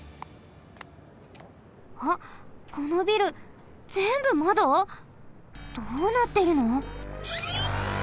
あっこのビルぜんぶまど！？どうなってるの？